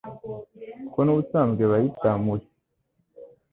kuko n’ubusanzwe bayita muhe